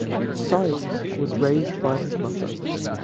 Siles was raised by his mother.